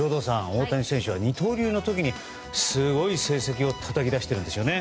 大谷選手は二刀流の時にすごい成績をたたき出してるんですよね。